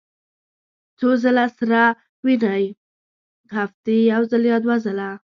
څو ځله سره وینئ؟ هفتې یوځل یا دوه ځله